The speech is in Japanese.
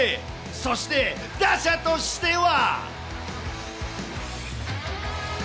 そして、打者としては。